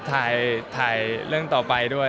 ถ่ายเรื่องต่อไปด้วย